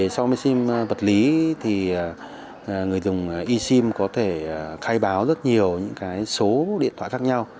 sau máy sim vật lý người dùng e sim có thể khai báo rất nhiều số điện thoại khác nhau